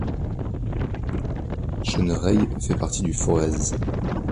Chenereilles fait partie du Forez.